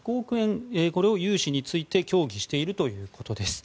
これを融資について協議しているということです。